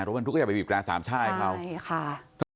เพราะว่าทุกคนก็อย่าไปบีบแรก๓ช่ายครับ